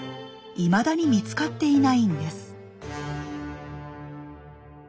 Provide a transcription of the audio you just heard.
いまだに見つかっていないんです。